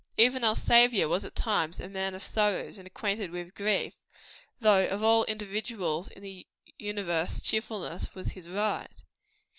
Even our Saviour was, at times, a man of sorrows and acquainted with grief; though of all individuals in the universe cheerfulness was his right.